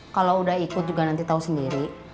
kalau udah ikut juga nanti tahu sendiri